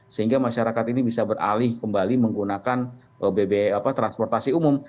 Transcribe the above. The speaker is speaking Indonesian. sehingga masyarakat ini bisa beralih kembali menggunakan transportasi umum